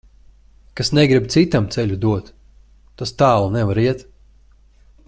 Kas negrib citam ceļu dot, tas tālu nevar iet.